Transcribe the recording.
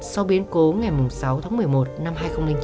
sau biến cố ngày sáu tháng một mươi một năm hai nghìn chín